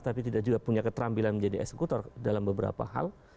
tapi tidak juga punya keterampilan menjadi eksekutor dalam beberapa hal